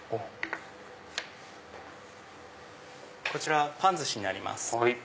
こちらパンずしになります。